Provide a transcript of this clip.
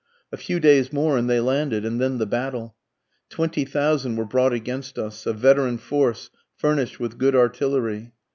A few days more and they landed, and then the battle. Twenty thousand were brought against us, A veteran force furnish'd with good artillery.